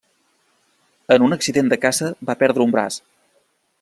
En un accident de caça va perdre un braç.